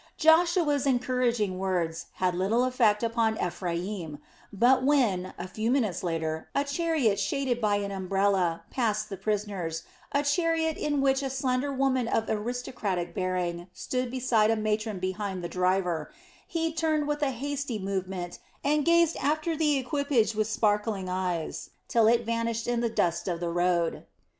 Joshua's encouraging words had little effect upon Ephraim; but when, a few minutes later, a chariot shaded by an umbrella, passed the prisoners, a chariot in which a slender woman of aristocratic bearing stood beside a matron behind the driver, he turned with a hasty movement and gazed after the equipage with sparkling eyes till it vanished in the dust of the road.